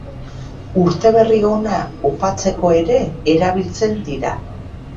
Urteberri ona opatzeko ere erabiltzen dira.